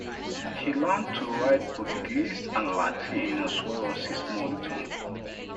He learned to write Portuguese and Latin as well as his mother tongue.